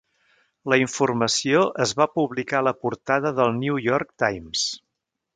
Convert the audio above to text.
La informació es va publicar a la portada del "New York Times".